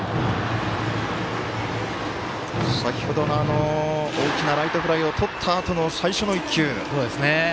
先ほどの大きなライトフライをとったあとの最初の１球。